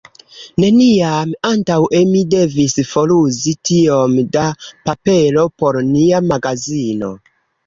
Neniam antaŭe mi devis foruzi tiom da papero por nia magazino.